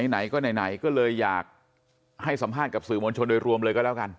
ไหนก็ไหนก็เลยอยากให้สัมภาษณ์กับสื่อมวลชนโดยรวมเลยก็แล้วกัน